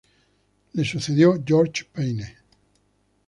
Le sucedió George Payne.